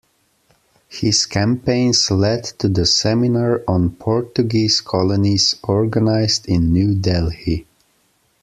His campaigns lead to the Seminar on Portuguese Colonies organised in New Delhi.